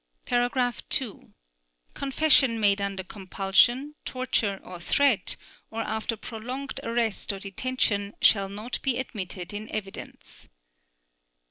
(2) Confession made under compulsion, torture or threat, or after prolonged arrest or detention shall not be admitted in evidence.